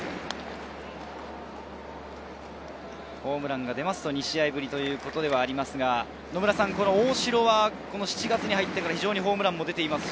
ホームランが出ると２試合ぶりということですが、大城は７月に入ってからホームランも出ています。